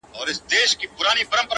• مځکه دي سره ده وچ دي اسمان دی ,